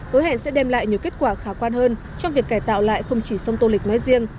hứa hẹn sẽ đem lại nhiều kết quả khả quan hơn trong việc cải tạo lại không chỉ sông tô lịch nói riêng